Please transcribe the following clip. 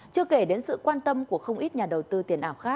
chưa kể đến sự quan tâm của không ít